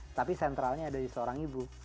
tapi sentralnya ada di seorang ibu